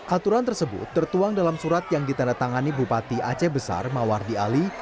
aturan tersebut tertuang dalam surat yang ditandatangani bupati aceh besar mawardi ali